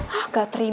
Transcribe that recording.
hah gak terima